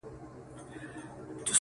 o هغه اوس گل ماسوم په غېږه كي وړي.